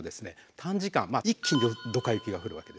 短時間一気にドカ雪が降るわけですね。